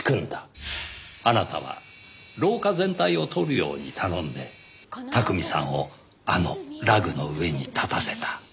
あなたは廊下全体を撮るように頼んで巧さんをあのラグの上に立たせた。